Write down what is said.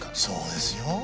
そうですよ。